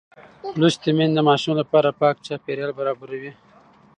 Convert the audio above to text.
لوستې میندې د ماشوم لپاره پاک چاپېریال برابروي.